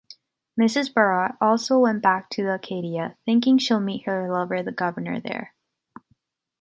Mrs Barrat also went back to Acadia, thinking she'll meet her lover the governor, there.